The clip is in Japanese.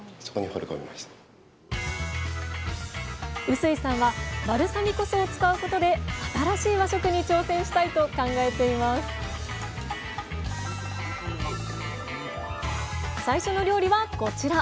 碓井さんはバルサミコ酢を使うことで新しい和食に挑戦したいと考えています最初の料理はこちら。